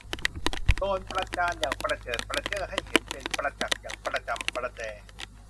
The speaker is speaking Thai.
โดนประจานอย่างประเจิดประเจ้อให้เห็นเป็นประจักษ์อย่างประจำประเจ